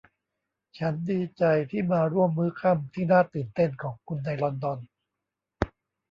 ฉันดีใจที่มาร่วมมื้อค่ำที่น่าตื่นเต้นของคุณในลอนดอน